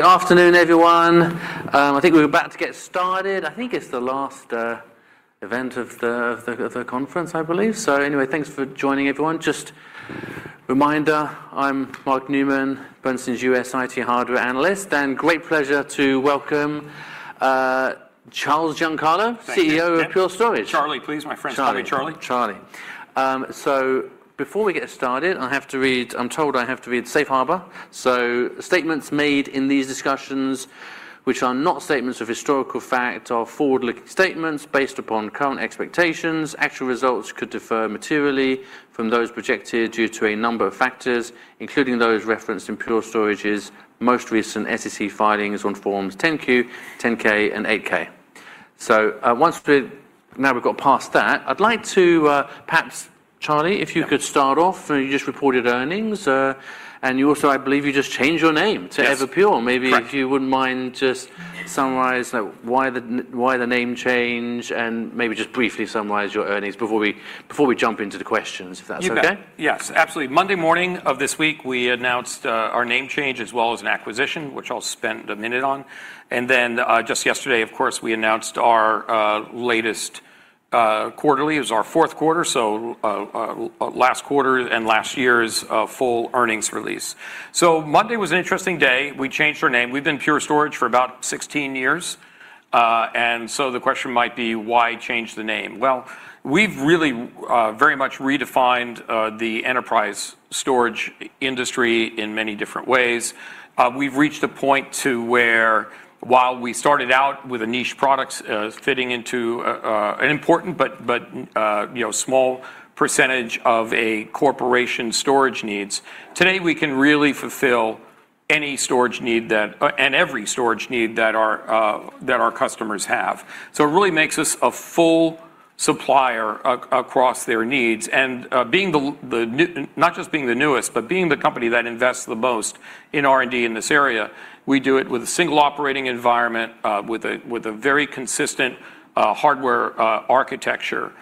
Good afternoon, everyone. I think we're about to get started. I think it's the last event of the conference, I believe. Anyway, thanks for joining, everyone. Just reminder, I'm Mark Newman, Bernstein's U.S. IT hardware analyst, and great pleasure to welcome Charles Giancarlo. Thank you. CEO of Pure Storage. Charlie, please, my friend. Charlie. Call me Charlie. Charlie. Before we get started, I'm told I have to read Safe Harbor. Statements made in these discussions, which are not statements of historical fact, are forward-looking statements based upon current expectations. Actual results could differ materially from those projected due to a number of factors, including those referenced in Pure Storage's most recent SEC filings on Forms 10-Q, 10-K, and 8-K. Now we've got past that, I'd like to, perhaps, Charlie. Yeah. If you could start off. You just reported earnings. You also, I believe, you just changed your name. Yes To Everpure. Correct. Maybe if you wouldn't mind just summarize why the name change, and maybe just briefly summarize your earnings before we jump into the questions, if that's okay? You bet. Yes, absolutely. Monday morning of this week, we announced our name change, as well as an acquisition, which I'll spend a minute on. Just yesterday, of course, we announced our latest quarterly. It was our fourth quarter, so last quarter and last year's full earnings release. Monday was an interesting day. We changed our name. We've been Pure Storage for about 16 years. The question might be: why change the name? We've really very much redefined the enterprise storage industry in many different ways. We've reached a point to where, while we started out with a niche products, fitting into, an important but, you know, small percentage of a corporation's storage needs, today, we can really fulfill any storage need that, and every storage need that our, that our customers have. It really makes us a full supplier across their needs. Being not just being the newest, but being the company that invests the most in R&D in this area, we do it with a single operating environment, with a, with a very consistent, hardware, architecture.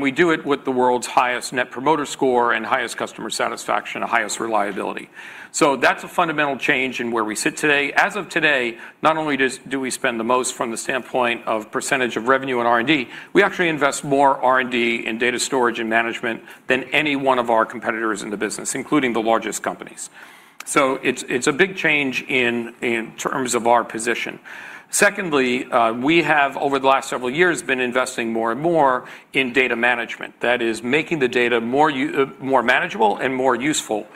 We do it with the world's highest Net Promoter Score and highest customer satisfaction and highest reliability. That's a fundamental change in where we sit today. As of today, not only just do we spend the most from the standpoint of percentage of revenue in R&D, we actually invest more R&D in data storage and management than any one of our competitors in the business, including the largest companies. It's a big change in terms of our position. Secondly, we have, over the last several years, been investing more and more in data management. That is, making the data more manageable and more useful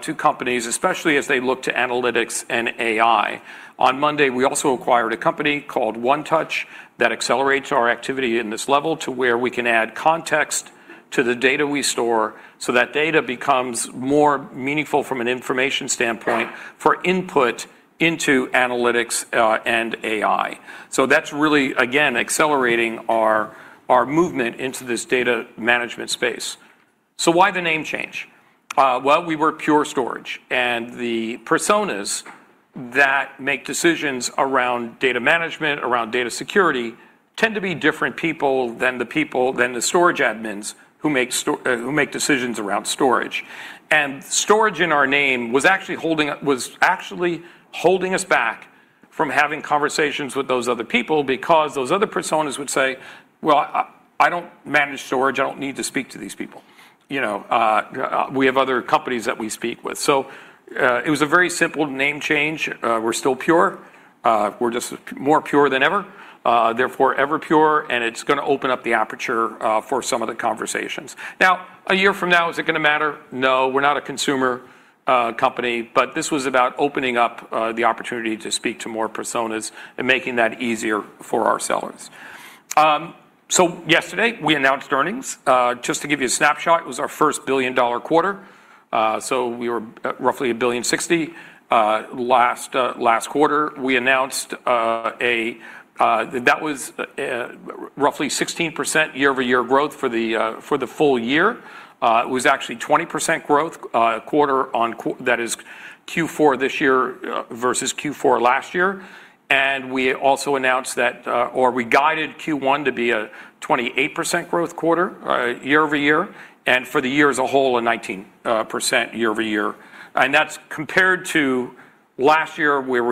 to companies, especially as they look to analytics and AI. On Monday, we also acquired a company called 1touch that accelerates our activity in this level to where we can add context to the data we store, so that data becomes more meaningful from an information standpoint for input into analytics and AI. That's really, again, accelerating our movement into this data management space. Why the name change? Well, we were Pure Storage, and the personas that make decisions around data management, around data security, tend to be different people than the storage admins who make decisions around storage. Storage in our name was actually holding us back from having conversations with those other people because those other personas would say, "Well, I don't manage storage. I don't need to speak to these people. You know, we have other companies that we speak with." It was a very simple name change. We're still Pure. We're just more pure than ever, therefore, Everpure, and it's gonna open up the aperture for some of the conversations. A year from now, is it gonna matter? No, we're not a consumer, company, but this was about opening up the opportunity to speak to more personas and making that easier for our sellers. Yesterday, we announced earnings. Just to give you a snapshot, it was our first billion-dollar quarter. We were at roughly $1.06 billion. Last quarter, we announced. That was, roughly 16% year-over-year growth for the full year. It was actually 20% growth, Q4 this year versus Q4 last year. We also announced that, or we guided Q1 to be a 28% growth quarter, year-over-year, and for the year as a whole, a 19% year-over-year. That's compared to last year, where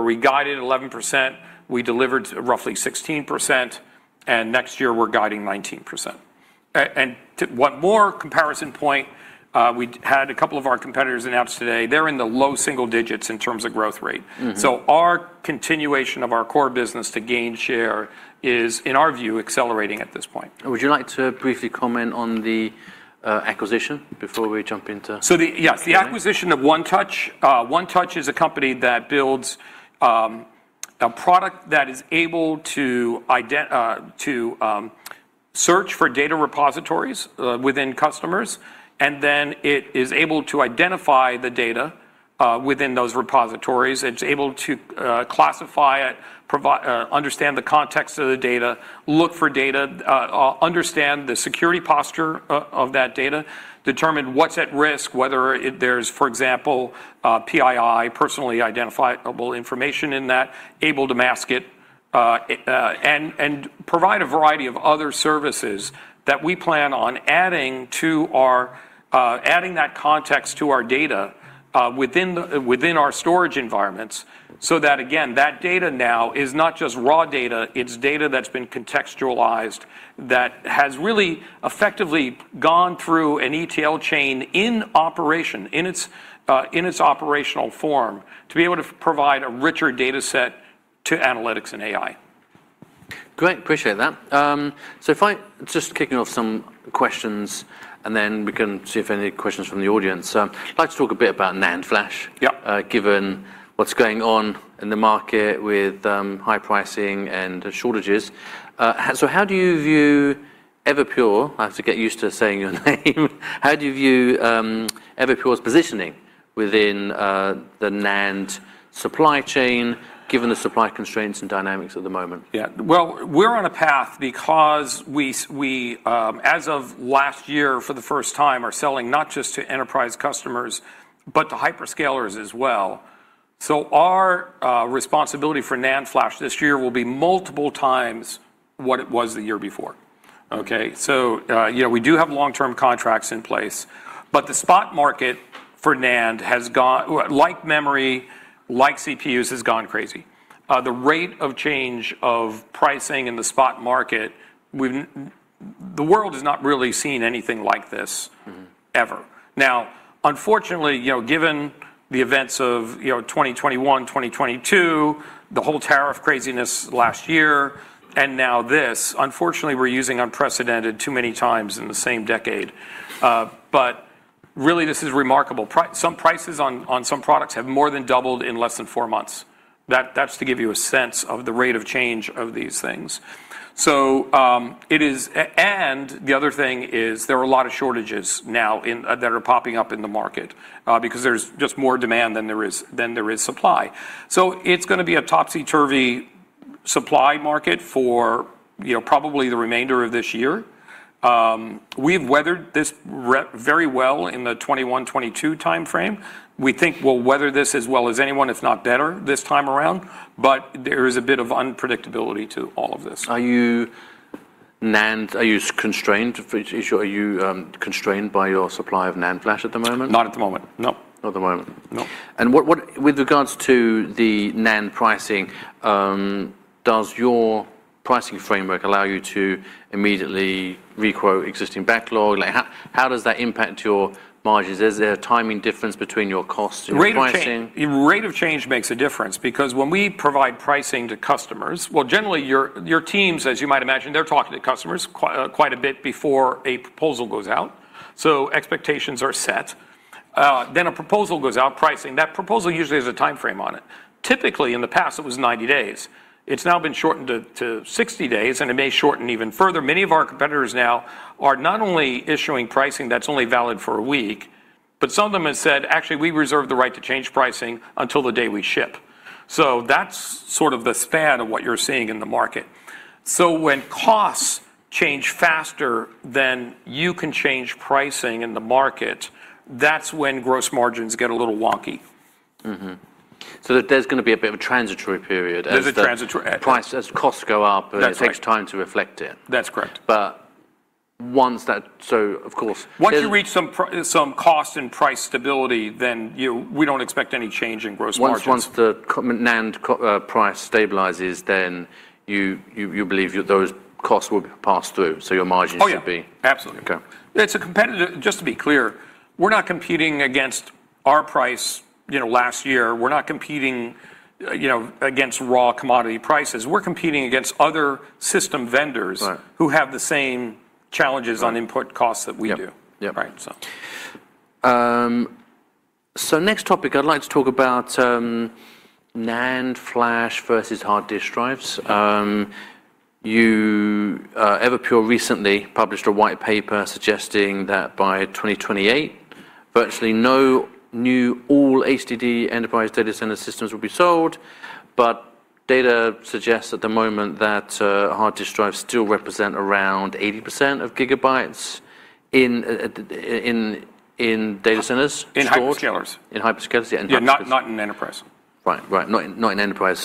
we guided 11%, we delivered roughly 16%, and next year, we're guiding 19%. One more comparison point, we had a couple of our competitors announce today they're in the low single digits in terms of growth rate. Mm-hmm. Our continuation of our core business to gain share is, in our view, accelerating at this point. Would you like to briefly comment on the acquisition before we jump into? Yes, the acquisition of 1touch. 1touch is a company that builds a product that is able to search for data repositories within customers, and then it is able to identify the data within those repositories. It's able to classify it, understand the context of the data, look for data, understand the security posture of that data, determine what's at risk, whether there's, for example, PII, personally identifiable information, in that, able to mask it and provide a variety of other services that we plan on adding to our adding that context to our data within our storage environments. That, again, that data now is not just raw data, it's data that's been contextualized, that has really effectively gone through an ETL chain in operation, in its operational form, to be able to provide a richer data set to analytics and AI. Great, appreciate that. Just kicking off some questions, and then we can see if any questions from the audience. I'd like to talk a bit about NAND flash. Yeah Given what's going on in the market with high pricing and shortages. How do you view Everpure, I have to get used to saying your name. How do you view Everpure's positioning within the NAND supply chain, given the supply constraints and dynamics at the moment? Yeah. Well, we're on a path because we, as of last year, for the first time, are selling not just to enterprise customers, but to hyperscalers as well. Our responsibility for NAND flash this year will be multiple times what it was the year before. Okay? You know, we do have long-term contracts in place, but the spot market for NAND has gone, like memory, like CPUs, has gone crazy. The rate of change of pricing in the spot market. The world has not really seen anything like this. Mm-hmm Ever. Unfortunately, you know, given the events of, you know, 2021, 2022, the whole tariff craziness last year, this, unfortunately, we're using unprecedented too many times in the same decade. Really, this is remarkable. Some prices on some products have more than doubled in less than four months. That's to give you a sense of the rate of change of these things. And the other thing is, there are a lot of shortages now in that are popping up in the market because there's just more demand than there is supply. It's gonna be a topsy-turvy supply market for, you know, probably the remainder of this year. We've weathered this very well in the 21, 22 time frame. We think we'll weather this as well as anyone, if not better, this time around, but there is a bit of unpredictability to all of this. Are you constrained by your supply of NAND flash at the moment? Not at the moment. Nope. Not at the moment. Nope. What with regards to the NAND pricing, does your pricing framework allow you to immediately requote existing backlog? Like, how does that impact your margins? Is there a timing difference between your cost and pricing? Rate of change. Rate of change makes a difference, because when we provide pricing to customers... Well, generally, your teams, as you might imagine, they're talking to customers quite a bit before a proposal goes out. Expectations are set. Then a proposal goes out, pricing. That proposal usually has a time frame on it. Typically, in the past, it was 90 days. It's now been shortened to 60 days, and it may shorten even further. Many of our competitors now are not only issuing pricing that's only valid for one week, but some of them have said, "Actually, we reserve the right to change pricing until the day we ship." That's sort of the span of what you're seeing in the market. When costs change faster than you can change pricing in the market, that's when gross margins get a little wonky. Mm-hmm. There's gonna be a bit of a transitory period. There's a. Price, as costs go up. That's right. It takes time to reflect it. That's correct. Once that. Once you reach some cost and price stability, then, we don't expect any change in gross margins. Once the NAND co price stabilizes, then you believe those costs will pass through, so your margins- Oh, yeah. Will be. Absolutely. Okay. It's a competitive... Just to be clear, we're not competing against our price, you know, last year. We're not competing, you know, against raw commodity prices. We're competing against other system vendors. Right Who have the same challenges on input costs that we do. Yep. Yep. Right. Next topic, I'd like to talk about NAND flash versus hard disk drives. Everpure recently published a white paper suggesting that by 2028, virtually no new all HDD enterprise data center systems will be sold. Data suggests at the moment that hard disk drives still represent around 80% of gigabytes in data centers, in storage. In hyperscalers. In hyperscalers, yeah. Yeah, not in enterprise. Right. Not in enterprise.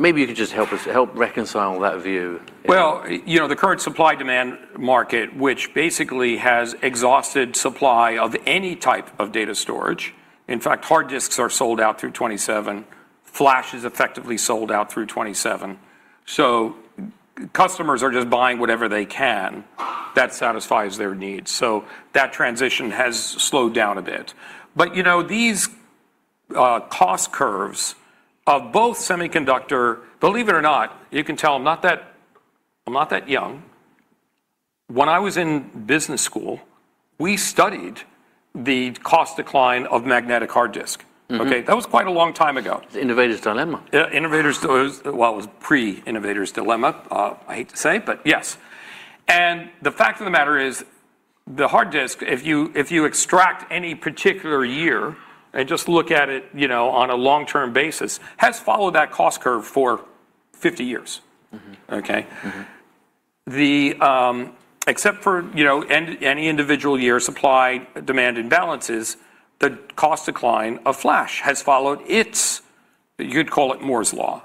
Maybe you could just help us reconcile that view. You know, the current supply/demand market, which basically has exhausted supply of any type of data storage, in fact, hard disks are sold out through 27. Flash is effectively sold out through 27. Customers are just buying whatever they can that satisfies their needs. That transition has slowed down a bit. You know, these cost curves of both semiconductor... Believe it or not, you can tell I'm not that young. When I was in business school, we studied the cost decline of magnetic hard disk. Mm-hmm. Okay? That was quite a long time ago. The Innovator's Dilemma. Yeah, The Innovator's Dilemma. Well, it was pre-The Innovator's Dilemma, I hate to say, but yes. The fact of the matter is, the hard disk, if you extract any particular year and just look at it, you know, on a long-term basis, has followed that cost curve for 50 years. Mm-hmm. Okay? Mm-hmm. The, except for, you know, any individual year supply, demand imbalances, the cost decline of flash has followed its, you'd call it Moore's Law,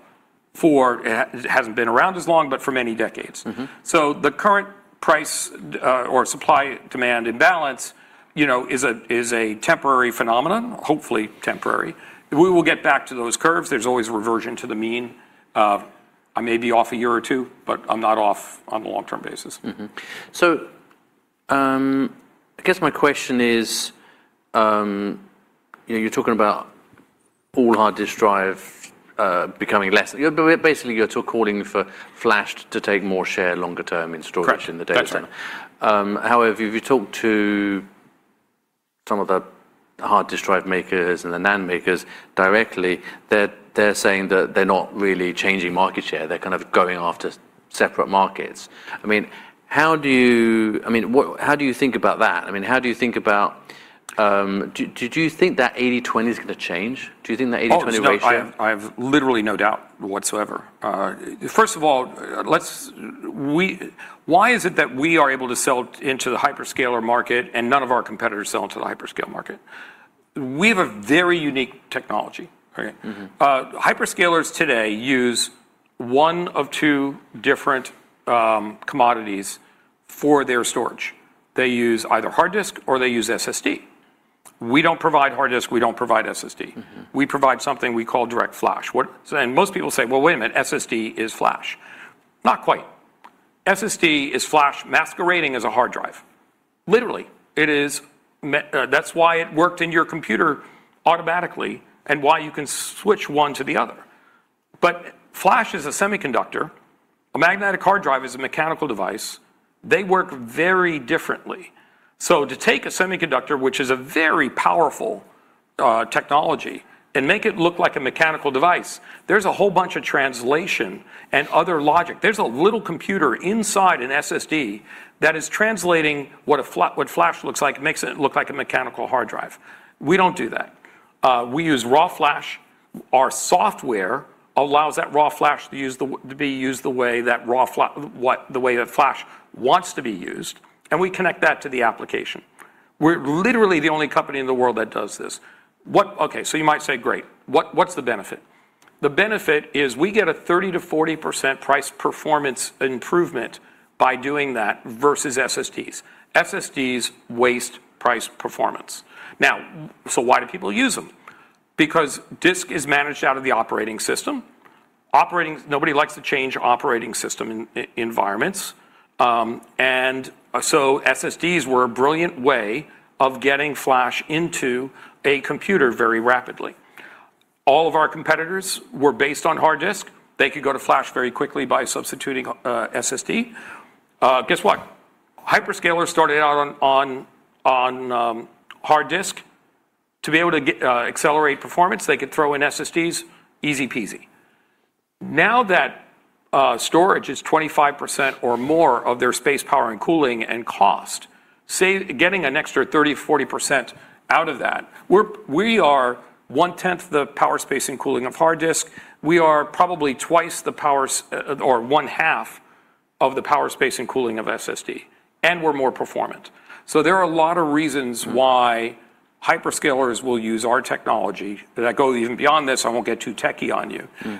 for, it hasn't been around as long, but for many decades. Mm-hmm. The current price, or supply-demand imbalance, you know, is a temporary phenomenon. Hopefully temporary. We will get back to those curves. There's always a reversion to the mean. I may be off a year or two, but I'm not off on a long-term basis. I guess my question is, you know, you're talking about all hard disk drive becoming less. Basically, you're still calling for flash to take more share longer term in storage? Correct. in the data center. However, if you talk to some of the hard disk drive makers and the NAND makers directly, they're saying that they're not really changing market share. They're kind of going after separate markets. I mean, what, how do you think about that? I mean, how do you think about. Do you think that 80/20 is gonna change? Do you think that 80/20 ratio. Oh, no, I have literally no doubt whatsoever. First of all, let's why is it that we are able to sell into the hyperscaler market, and none of our competitors sell into the hyperscale market? We have a very unique technology, okay? Mm-hmm. Hyperscalers today use one of two different commodities for their storage. They use either hard disk or they use SSD. We don't provide hard disk, we don't provide SSD. Mm-hmm. We provide something we call DirectFlash. Most people say, "Well, wait a minute, SSD is flash." Not quite. SSD is flash masquerading as a hard drive. Literally, that's why it worked in your computer automatically and why you can switch one to the other. Flash is a semiconductor. A magnetic hard drive is a mechanical device. They work very differently. To take a semiconductor, which is a very powerful, technology, and make it look like a mechanical device, there's a whole bunch of translation and other logic. There's a little computer inside an SSD that is translating what flash looks like, and makes it look like a mechanical hard drive. We don't do that. We use raw flash. Our software allows that raw flash to use the way that raw flash wants to be used, and we connect that to the application. We're literally the only company in the world that does this. Okay, you might say, "Great, what's the benefit?" The benefit is we get a 30%-40% price performance improvement by doing that versus SSDs. SSDs waste price performance. Why do people use them? Because disk is managed out of the operating system. Nobody likes to change operating system environments. SSDs were a brilliant way of getting flash into a computer very rapidly. All of our competitors were based on hard disk. They could go to flash very quickly by substituting SSD. Guess what? Hyperscalers started out on hard disk. To be able to get accelerate performance, they could throw in SSDs, easy peasy. Now that storage is 25% or more of their space, power and cooling and cost, getting an extra 30%, 40% out of that, we are one tenth the power, space, and cooling of hard disk. We are probably twice the power or one half of the power, space, and cooling of SSD, and we're more performant. There are a lot of reasons... Mm. Why hyperscalers will use our technology, that go even beyond this, I won't get too techy on you. Mm.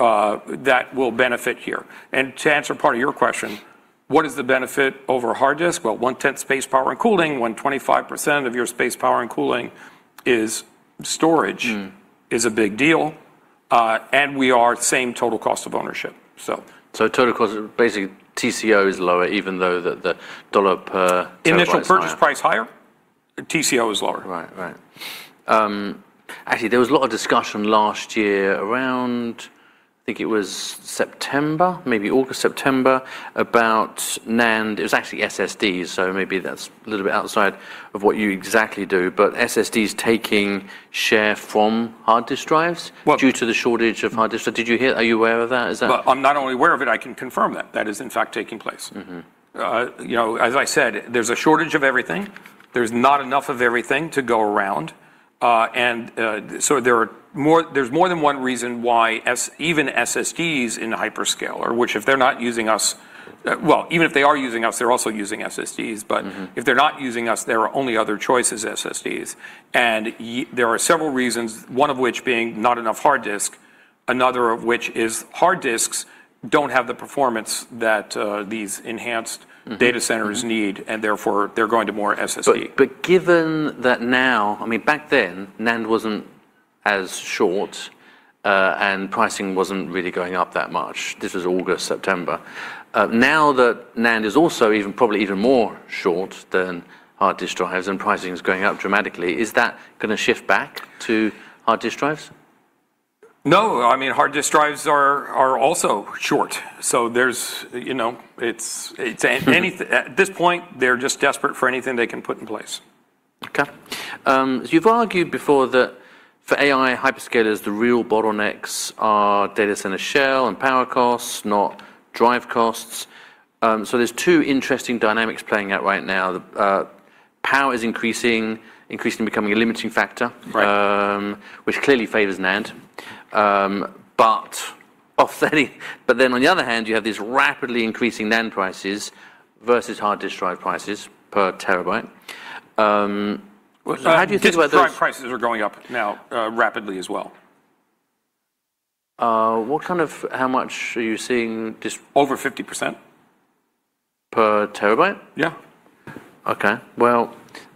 That will benefit here. To answer part of your question, what is the benefit over a hard disk? Well, 1/10 space, power, and cooling, when 25% of your space, power, and cooling is storage... Mm. Is a big deal. We are same total cost of ownership. Total cost, basically, TCO is lower, even though the dollar per initial-. Initial purchase price higher, TCO is lower. Right. Right. Actually, there was a lot of discussion last year around, I think it was September, maybe August, September, about NAND. It was actually SSDs, so maybe that's a little bit outside of what you exactly do, but SSDs taking share from hard disk drives. Well- Due to the shortage of hard disk drives. Did you hear? Are you aware of that, is that- Well, I'm not only aware of it, I can confirm that. That is, in fact, taking place. Mm-hmm. You know, as I said, there's a shortage of everything. There's not enough of everything to go around. There's more than one reason why even SSDs in a hyperscaler, which, if they're not using us... well, even if they are using us, they're also using SSDs- Mm-hmm. If they're not using us, their only other choice is SSDs. There are several reasons, one of which being not enough hard disk, another of which is hard disks don't have the performance that these enhanced- Mm. data centers need, and therefore, they're going to more SSD. Given that now, I mean, back then, NAND wasn't as short, and pricing wasn't really going up that much. This was August, September. Now that NAND is also probably even more short than hard disk drives, and pricing is going up dramatically, is that going to shift back to hard disk drives? No. I mean, hard disk drives are also short. There's, you know, it's anything. Mm. At this point, they're just desperate for anything they can put in place. Okay. You've argued before that for AI hyperscalers, the real bottlenecks are data center shell and power costs, not drive costs. There's two interesting dynamics playing out right now. Power is increasingly becoming a limiting factor. Right. Which clearly favors NAND. On the other hand, you have these rapidly increasing NAND prices versus hard disk drive prices per terabyte. How do you think about those? Disk drive prices are going up now, rapidly as well. What kind of how much are you seeing? Over 50%. Per terabyte? Yeah. Okay.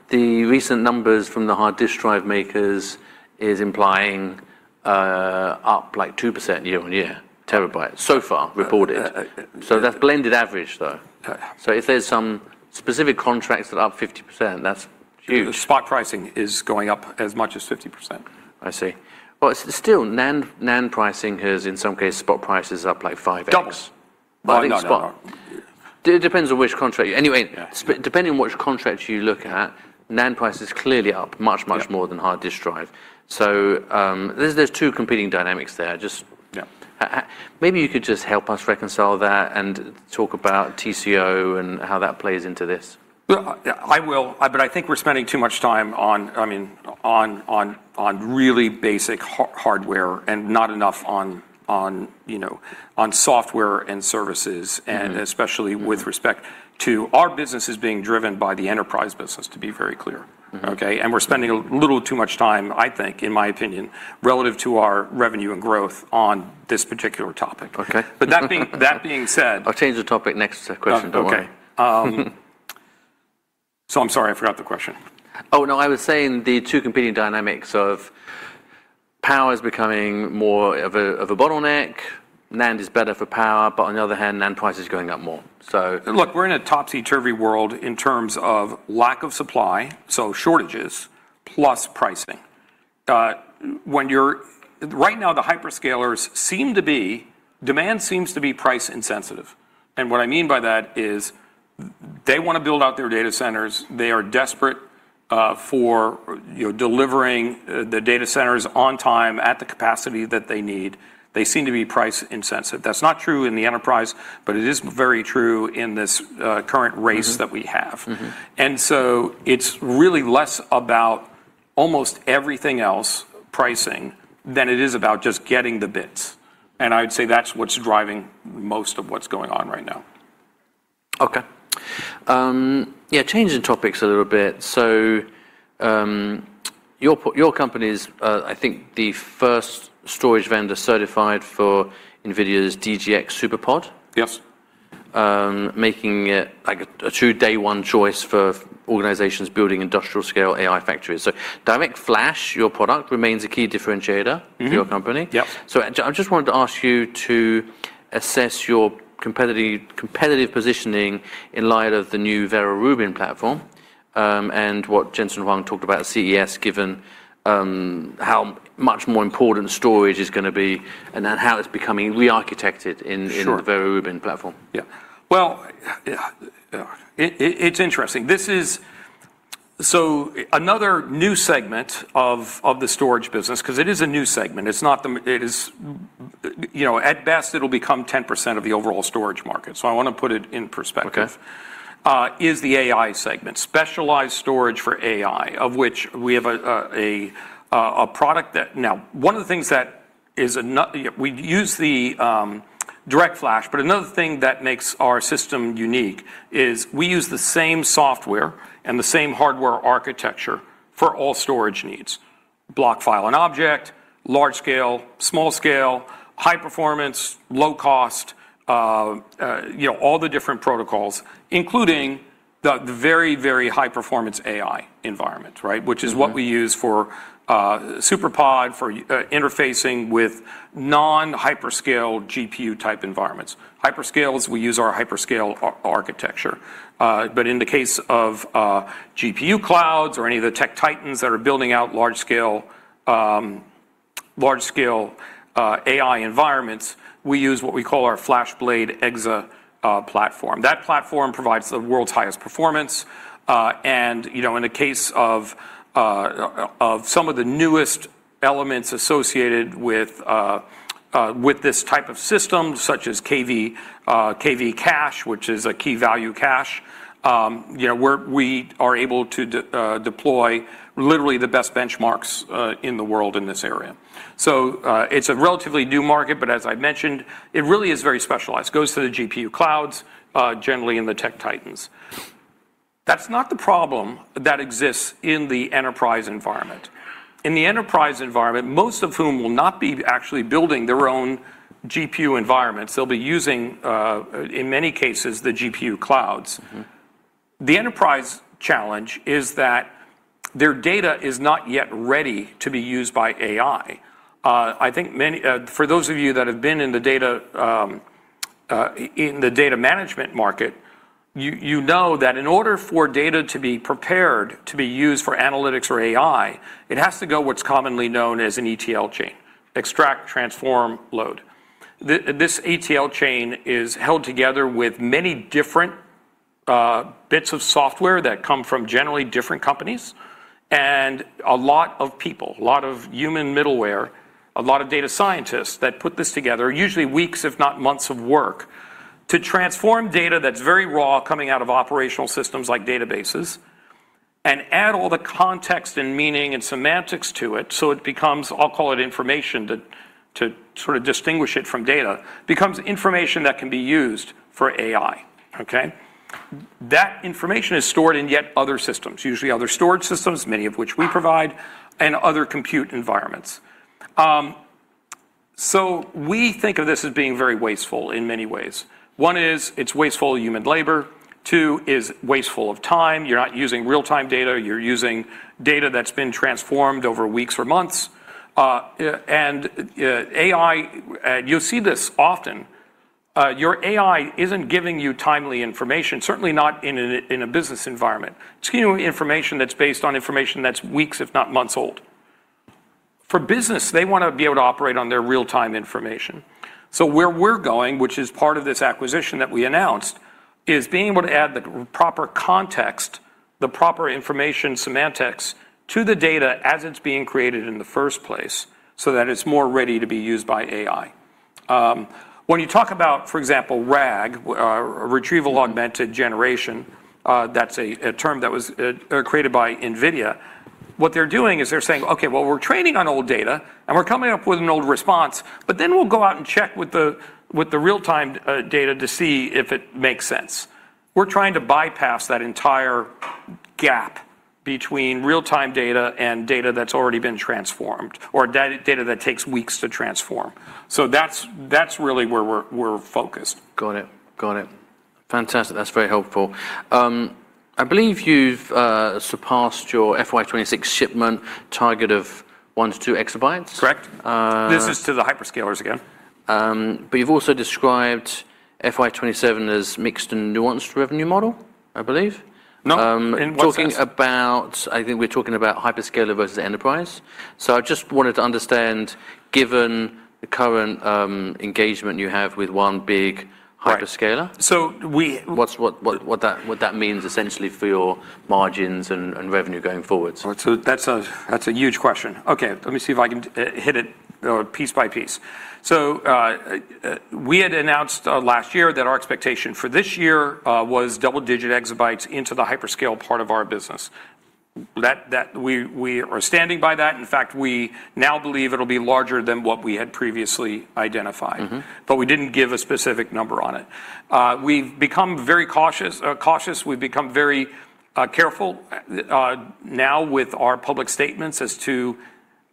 The recent numbers from the HDD makers is implying, up like 2% year-over-year terabyte so far reported. Uh, uh- That's blended average, though. Uh. If there's some specific contracts that are up 50%, that's huge. The spot pricing is going up as much as 50%. I see. Well, still NAND pricing has, in some cases, spot prices up like 5x. Double. Well, I think. No, no. It depends on which contract. Anyway. Yeah. Depending on which contracts you look at, NAND price is clearly up much, much more. Yeah than hard disk drive. There's two competing dynamics there. Yeah. Maybe you could just help us reconcile that and talk about TCO and how that plays into this. Well, I will, but I think we're spending too much time on, I mean, on really basic hardware and not enough on, you know, on software and services. Mm-hmm And especially with respect to our business is being driven by the enterprise business, to be very clear. Mm-hmm. Okay, we're spending a little too much time, I think, in my opinion, relative to our revenue and growth on this particular topic. Okay. That being said. I'll change the topic next question. Don't worry. Okay. I'm sorry, I forgot the question. Oh, no, I was saying the two competing dynamics of power is becoming more of a, of a bottleneck. NAND is better for power, but on the other hand, NAND price is going up more. Look, we're in a topsy-turvy world in terms of lack of supply, so shortages plus pricing. When right now, the hyperscalers seem to be demand seems to be price insensitive, and what I mean by that is they want to build out their data centers. They are desperate, for, you know, delivering the data centers on time at the capacity that they need. They seem to be price insensitive. That's not true in the enterprise, but it is very true in this current race. Mm-hmm That we have. Mm-hmm. It's really less about almost everything else, pricing, than it is about just getting the bits. I'd say that's what's driving most of what's going on right now. Okay. Yeah, changing topics a little bit. Your company is, I think, the first storage vendor certified for NVIDIA's DGX SuperPOD. Yes. Making it like a true day one choice for organizations building industrial-scale AI factories. DirectFlash, your product, remains a key differentiator. Mm-hmm For your company. Yep. I just wanted to ask you to assess your competitive positioning in light of the new Vera Rubin platform, and what Jensen Huang talked about at CES, given how much more important storage is going to be and how it's becoming re-architected. Sure The Vera Rubin platform. Yeah. Well, yeah, it's interesting. Another new segment of the storage business, 'cause it is a new segment. It's not it is, you know, at best, it'll become 10% of the overall storage market. I want to put it in perspective. Okay Is the AI segment, specialized storage for AI, of which we have a product that. One of the things that we use the DirectFlash, but another thing that makes our system unique is we use the same software and the same hardware architecture for all storage needs: block, file, and object, large scale, small scale, high performance, low cost, you know, all the different protocols, including the high-performance AI environment, right? Mm-hmm. Which is what we use for SuperPOD, for interfacing with non-hyperscale GPU type environments. Hyperscales, we use our hyperscale architecture. In the case of GPU clouds or any of the tech titans that are building out large-scale AI environments, we use what we call our FlashBlade//EXA platform. That platform provides the world's highest performance, and, you know, in the case of some of the newest elements associated with this type of system, such as KV cache, which is a key-value cache, you know, we are able to deploy literally the best benchmarks in the world in this area. It's a relatively new market, but as I mentioned, it really is very specialized. It goes to the GPU clouds, generally in the tech titans. That's not the problem that exists in the enterprise environment. In the enterprise environment, most of whom will not be actually building their own GPU environments. They'll be using, in many cases, the GPU clouds. Mm-hmm. The enterprise challenge is that their data is not yet ready to be used by AI. I think many, for those of you that have been in the data, in the data management market, you know that in order for data to be prepared to be used for analytics or AI, it has to go what's commonly known as an ETL chain: extract, transform, load. This ETL chain is held together with many different bits of software that come from generally different companies.... A lot of people, a lot of human middleware, a lot of data scientists that put this together, usually weeks, if not months of work, to transform data that's very raw coming out of operational systems like databases, and add all the context and meaning and semantics to it, so it becomes, I'll call it information, to sort of distinguish it from data, becomes information that can be used for AI, okay? That information is stored in yet other systems, usually other storage systems, many of which we provide, and other compute environments. We think of this as being very wasteful in many ways. One is, it's wasteful of human labor. Two is wasteful of time. You're not using real-time data, you're using data that's been transformed over weeks or months. AI, you'll see this often, your AI isn't giving you timely information, certainly not in a, in a business environment. It's giving you information that's based on information that's weeks, if not months old. For business, they want to be able to operate on their real-time information. Where we're going, which is part of this acquisition that we announced, is being able to add the proper context, the proper information semantics to the data as it's being created in the first place, so that it's more ready to be used by AI. When you talk about, for example, RAG, Retrieval-Augmented Generation, that's a term that was created by NVIDIA. What they're doing is they're saying, "Okay, well, we're training on old data, and we're coming up with an old response, but then we'll go out and check with the real-time data to see if it makes sense." We're trying to bypass that entire gap between real-time data and data that's already been transformed, or data that takes weeks to transform. That's really where we're focused. Got it. Fantastic. That's very helpful. I believe you've surpassed your FY 2026 shipment target of 1-2 exabytes? Correct. Uh- This is to the hyperscalers again. You've also described FY 2027 as mixed and nuanced revenue model, I believe? No, in what sense? Talking about... I think we're talking about hyperscaler versus enterprise. I just wanted to understand, given the current engagement you have with one big hyperscaler... Right. What's what that means essentially for your margins and revenue going forward? That's a huge question. Let me see if I can hit it piece by piece. We had announced last year that our expectation for this year was double-digit exabytes into the hyperscale part of our business. We are standing by that. In fact, we now believe it'll be larger than what we had previously identified. Mm-hmm. We didn't give a specific number on it. We've become very cautious. We've become very careful now with our public statements as to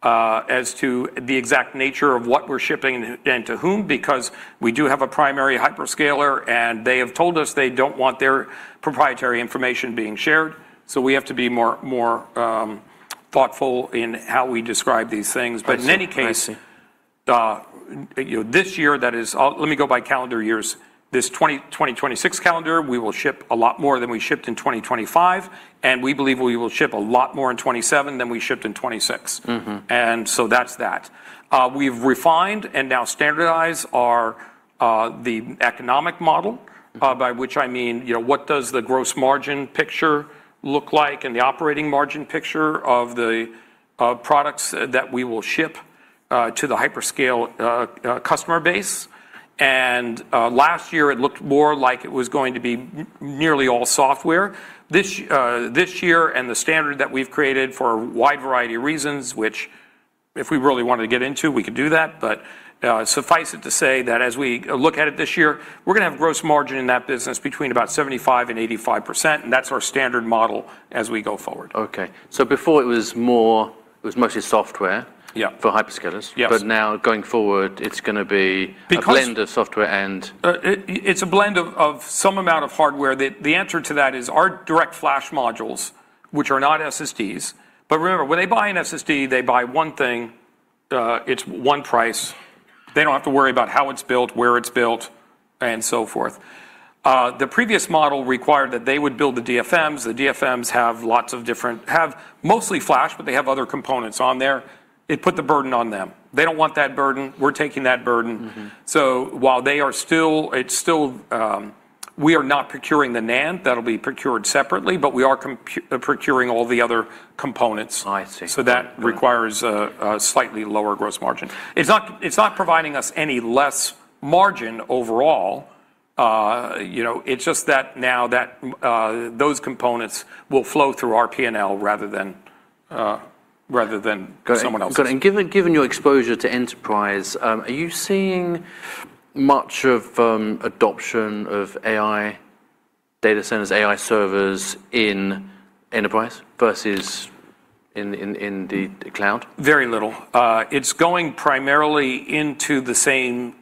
the exact nature of what we're shipping and to whom, because we do have a primary hyperscaler, and they have told us they don't want their proprietary information being shared. We have to be more thoughtful in how we describe these things. I see. I see. In any case, you know, this year, let me go by calendar years. This 2026 calendar, we will ship a lot more than we shipped in 2025, and we believe we will ship a lot more in 2027 than we shipped in 2026. Mm-hmm. That's that. We've refined and now standardized our the economic model, by which I mean, you know, what does the gross margin picture look like and the operating margin picture of the products that we will ship to the hyperscale customer base. Last year, it looked more like it was going to be nearly all software. This year, and the standard that we've created for a wide variety of reasons, which if we really wanted to get into, we could do that. Suffice it to say that as we look at it this year, we're gonna have gross margin in that business between about 75% and 85%, and that's our standard model as we go forward. Okay. Before it was mostly software- Yeah For hyperscalers. Yes. Now, going forward. Because- A blend of software and. It's a blend of some amount of hardware. The answer to that is our DirectFlash Modules, which are not SSDs, but remember, when they buy an SSD, they buy one thing, it's one price. They don't have to worry about how it's built, where it's built, and so forth. The previous model required that they would build the DFMs. The DFMs have mostly flash, but they have other components on there. It put the burden on them. They don't want that burden. We're taking that burden. Mm-hmm. It's still, we are not procuring the NAND, that'll be procured separately, but we are procuring all the other components. I see. That requires a slightly lower gross margin. It's not, it's not providing us any less margin overall, you know, it's just that now that those components will flow through our P&L, rather than, rather than someone else's. Got it. Got it. Given your exposure to enterprise, are you seeing much of adoption of AI data centers, AI servers in enterprise versus in the cloud? Very little. It's going primarily into the same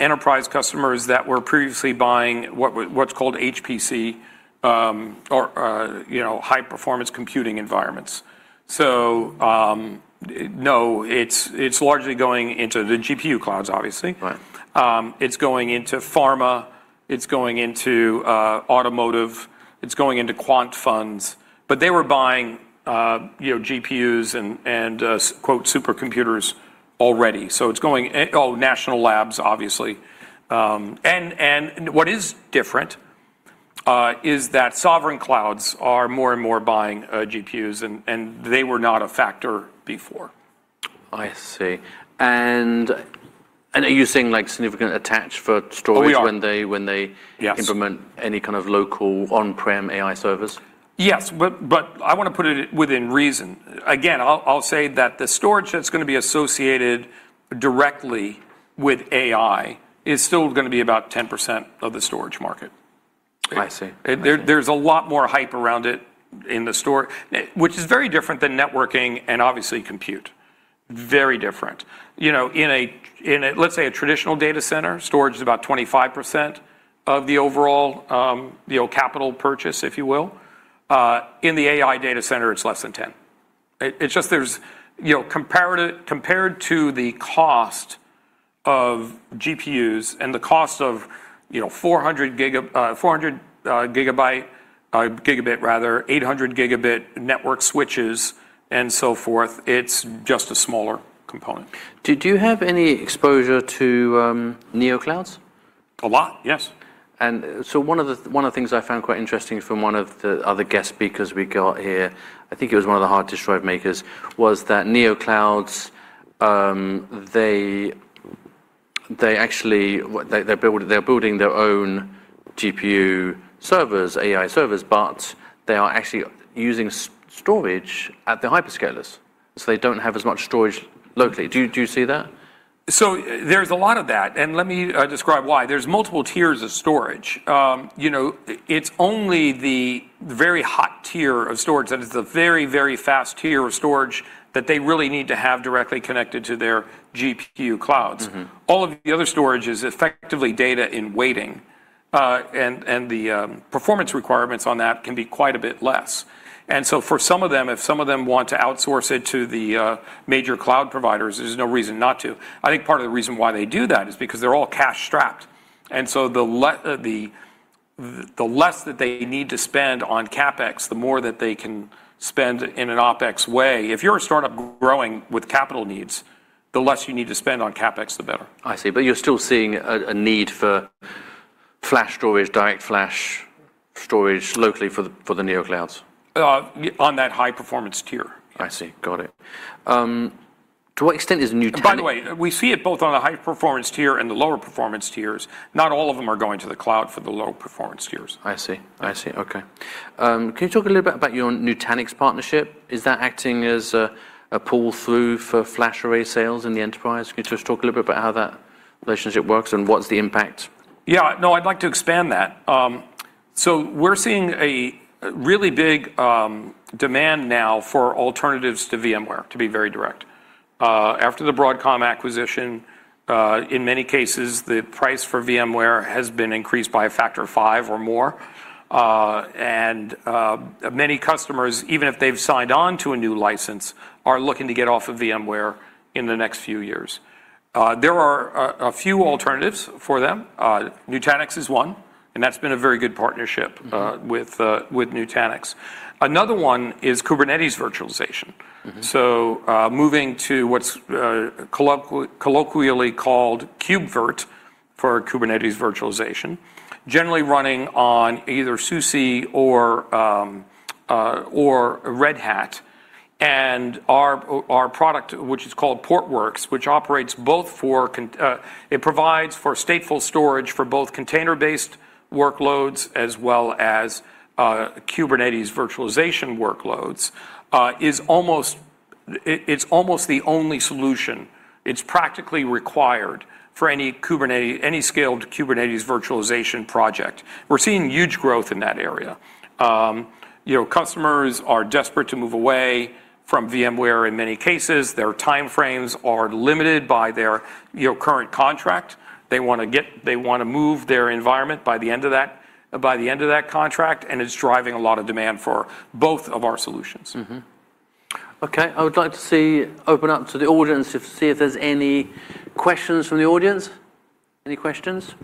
enterprise customers that were previously buying what's called HPC, or, you know, high-performance computing environments. No, it's largely going into the GPU clouds, obviously. Right. It's going into pharma, it's going into automotive, it's going into quant funds. They were buying, you know, GPUs and, quote, "supercomputers," already. It's going, oh, national labs, obviously. What is different is that sovereign clouds are more and more buying GPUs, and they were not a factor before. I see. Are you seeing, like, significant attach for storage- We are. When they. Yes. implement any kind of local on-prem AI service? Yes, I wanna put it within reason. Again, I'll say that the storage that's gonna be associated directly with AI is still gonna be about 10% of the storage market. I see. There's a lot more hype around it in the store, which is very different than networking and, obviously, compute. Very different. You know, in a traditional data center, storage is about 25% of the overall, you know, capital purchase, if you will. In the AI data center, it's less than 10%. It's just there's, you know, compared to the cost of GPUs and the cost of, you know, 400 Gb, 800 Gb network switches and so forth, it's just a smaller component. Do you have any exposure to, neoclouds? A lot, yes. One of the things I found quite interesting from one of the other guest speakers we got here, I think it was one of the hard disk drive makers, was that neoclouds, they actually, they're building their own GPU servers, AI servers, but they are actually using storage at the hyperscalers, so they don't have as much storage locally. Do you see that? There's a lot of that, and let me describe why. There's multiple tiers of storage. You know, it's only the very hot tier of storage that is the very, very fast tier of storage that they really need to have directly connected to their GPU clouds. Mm-hmm. All of the other storage is effectively data in waiting, and the performance requirements on that can be quite a bit less. For some of them, if some of them want to outsource it to the major cloud providers, there's no reason not to. I think part of the reason why they do that is because they're all cash-strapped, and so the less that they need to spend on CapEx, the more that they can spend in an OpEx way. If you're a startup growing with capital needs, the less you need to spend on CapEx, the better. I see. You're still seeing a need for flash storage, DirectFlash storage locally for the neoclouds? On that high-performance tier. I see. Got it. To what extent is Nutanix? By the way, we see it both on the high-performance tier and the lower performance tiers. Not all of them are going to the cloud for the low-performance tiers. I see. I see. Okay. Can you talk a little bit about your Nutanix partnership? Is that acting as a pull-through for FlashArray sales in the enterprise? Can you just talk a little bit about how that relationship works and what's the impact? No, I'd like to expand that. We're seeing a really big demand now for alternatives to VMware, to be very direct. After the Broadcom acquisition, in many cases, the price for VMware has been increased by a factor of five or more. Many customers, even if they've signed on to a new license, are looking to get off of VMware in the next few years. There are a few alternatives for them. Nutanix is one, that's been a very good partnership- Mm-hmm With Nutanix. Another one is Kubernetes virtualization. Mm-hmm. Moving to what's colloquially called KubeVirt for Kubernetes virtualization, generally running on either SUSE or Red Hat. Our product, which is called Portworx, which operates both, it provides for stateful storage for both container-based workloads as well as Kubernetes virtualization workloads, is almost the only solution. It's practically required for any scaled Kubernetes virtualization project. We're seeing huge growth in that area. You know, customers are desperate to move away from VMware. In many cases, their time frames are limited by their, you know, current contract. They wanna move their environment by the end of that contract, it's driving a lot of demand for both of our solutions. Okay, I would like to see, open up to the audience to see if there's any questions from the audience. Any questions?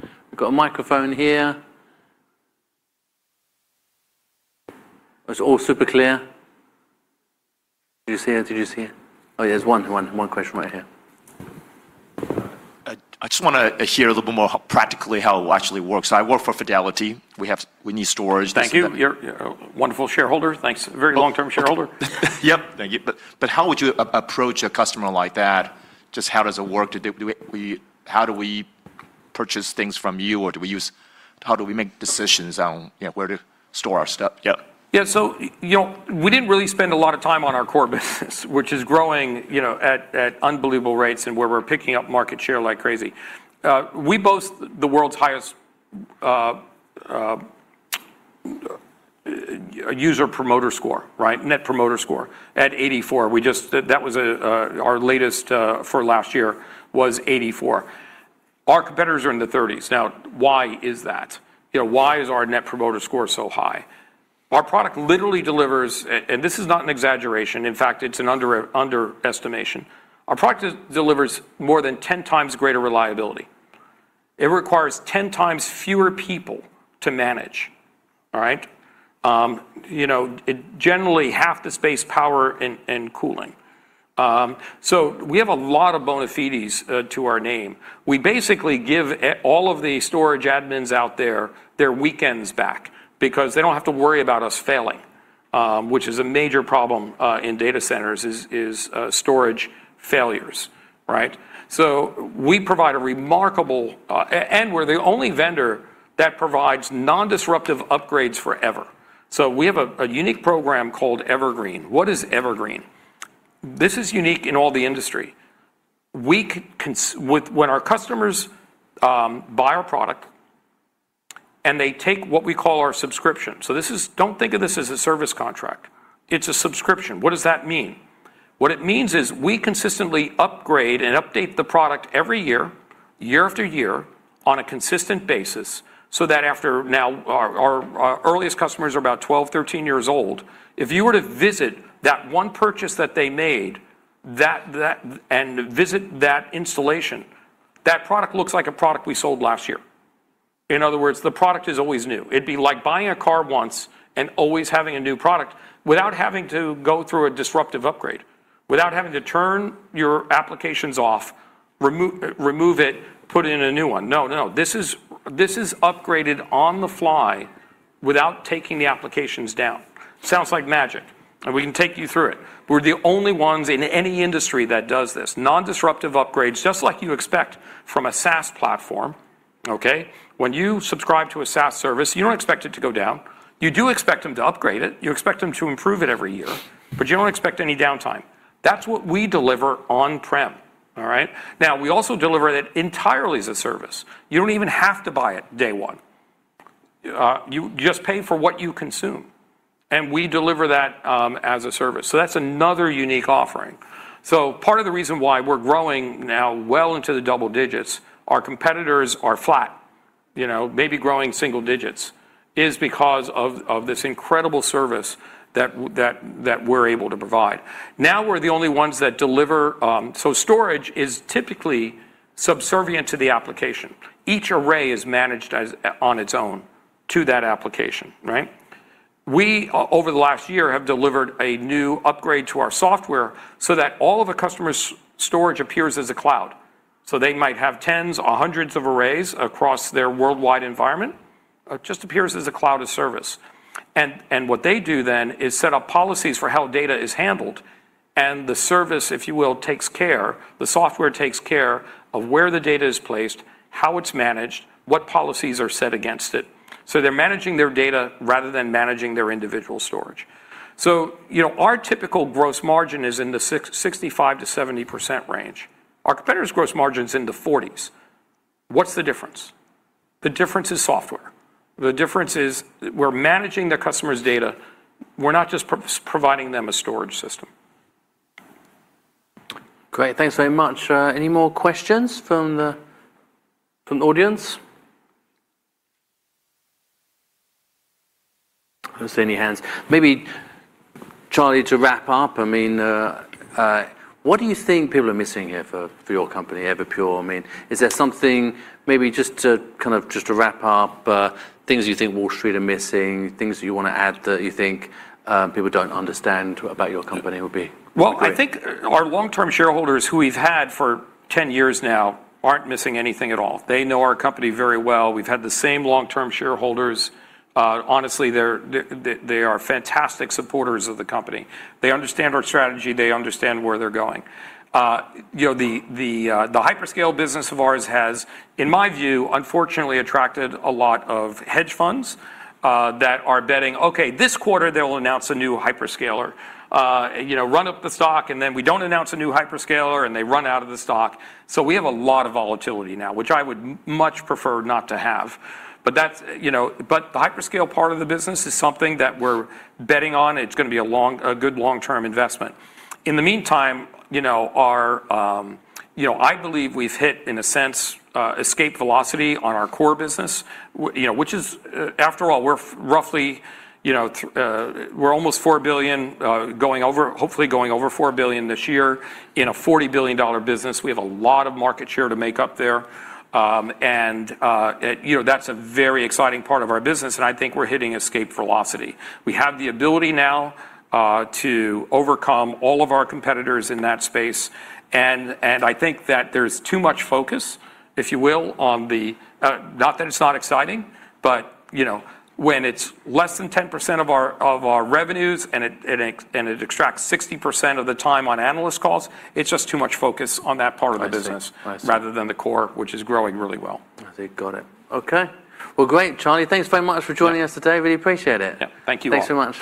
We've got a microphone here. It's all super clear. Did you see it? Oh, there's one question right here. I just wanna hear a little bit more practically how it actually works. I work for Fidelity. We need storage. Thank you. You're a wonderful shareholder. Thanks. Very long-term shareholder. Yep, thank you. How would you approach a customer like that? Just how does it work? Do we, how do we purchase things from you, or do we use? How do we make decisions on, you know, where to store our stuff? Yep. Yeah, you know, we didn't really spend a lot of time on our core business, which is growing, you know, at unbelievable rates and where we're picking up market share like crazy. We boast the world's highest Net Promoter Score, right? Net Promoter Score, at 84. That was our latest for last year, was 84. Our competitors are in the 30s. Why is that? You know, why is our Net Promoter Score so high? Our product literally delivers, and this is not an exaggeration, in fact, it's an underestimation. Our product delivers more than 10 times greater reliability. It requires 10 times fewer people to manage, all right? You know, it generally half the space, power, and cooling. We have a lot of bona fides to our name. We basically give all of the storage admins out there, their weekends back, because they don't have to worry about us failing, which is a major problem in data centers, is storage failures, right? We provide a remarkable and we're the only vendor that provides non-disruptive upgrades forever. We have a unique program called Evergreen. What is Evergreen? This is unique in all the industry. When our customers buy our product, and they take what we call our subscription. Don't think of this as a service contract. It's a subscription. What does that mean? What it means is, we consistently upgrade and update the product every year after year, on a consistent basis, so that after now, our earliest customers are about 12, 13 years old. If you were to visit that one purchase that they made, and visit that installation, that product looks like a product we sold last year. In other words, the product is always new. It'd be like buying a car once and always having a new product without having to go through a disruptive upgrade, without having to turn your applications off, remove it, put in a new one. No, this is upgraded on the fly without taking the applications down. Sounds like magic, and we can take you through it. We're the only ones in any industry that does this. Non-disruptive upgrades, just like you expect from a SaaS platform, okay? When you subscribe to a SaaS service, you don't expect it to go down. You do expect them to upgrade it. You expect them to improve it every year, but you don't expect any downtime. That's what we deliver on-prem, all right? We also deliver it entirely as a service. You don't even have to buy it day one. You just pay for what you consume, and we deliver that as a service. That's another unique offering. Part of the reason why we're growing now well into the double digits, our competitors are flat, you know, maybe growing single digits, is because of this incredible service that we're able to provide. We're the only ones that deliver. Storage is typically subservient to the application. Each array is managed on its own to that application, right? We, over the last year, have delivered a new upgrade to our software so that all of a customer's storage appears as a cloud. They might have tens or hundreds of arrays across their worldwide environment. It just appears as a cloud of service. What they do then is set up policies for how data is handled, and the service, if you will, the software takes care of where the data is placed, how it's managed, what policies are set against it. They're managing their data rather than managing their individual storage. You know, our typical gross margin is in the 65%-70% range. Our competitors' gross margin's in the 40s. What's the difference? The difference is software. The difference is we're managing the customer's data. We're not just providing them a storage system. Great. Thanks very much. Any more questions from the audience? I don't see any hands. Maybe, Charlie, to wrap up, I mean, what do you think people are missing here for your company, Everpure? I mean, is there something maybe just to kind of just to wrap up, things you think Wall Street are missing, things you wanna add that you think people don't understand about your company would be great. Well, I think our long-term shareholders, who we've had for 10 years now, aren't missing anything at all. They know our company very well. We've had the same long-term shareholders. Honestly, they are fantastic supporters of the company. They understand our strategy. They understand where they're going. You know, the hyperscale business of ours has, in my view, unfortunately, attracted a lot of hedge funds that are betting, "Okay, this quarter, they will announce a new hyperscaler." You know, run up the stock, and then we don't announce a new hyperscaler, and they run out of the stock. We have a lot of volatility now, which I would much prefer not to have. That's, you know, the hyperscale part of the business is something that we're betting on. It's gonna be a long, good long-term investment. In the meantime, you know, our, you know, I believe we've hit, in a sense, escape velocity on our core business, you know, which is, after all, we're roughly, you know, we're almost $4 billion, going over $4 billion this year, in a $40 billion business. We have a lot of market share to make up there. You know, that's a very exciting part of our business, and I think we're hitting escape velocity. We have the ability now to overcome all of our competitors in that space. I think that there's too much focus, if you will, on the, not that it's not exciting, but, you know, when it's less than 10% of our revenues and it extracts 60% of the time on analyst calls, it's just too much focus on that part of the business. I see. rather than the core, which is growing really well. I see. Got it. Okay. Well, great, Charlie. Thanks very much for joining us today. Yeah. Really appreciate it. Yeah. Thank you all. Thanks so much.